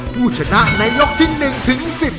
ผู้ชนะในยกที่๑ถึง๑๐